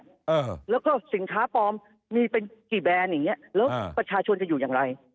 เออแล้วก็สินค้าปลอมมีเป็นกี่แบรนด์อย่างเงี้ยแล้วประชาชนจะอยู่อย่างไร